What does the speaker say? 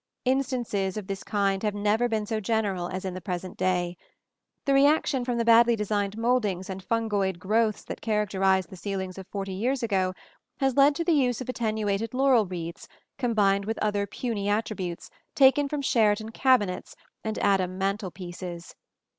Instances of this kind have never been so general as in the present day. The reaction from the badly designed mouldings and fungoid growths that characterized the ceilings of forty years ago has led to the use of attenuated laurel wreaths combined with other puny attributes taken from Sheraton cabinets and Adam mantel pieces.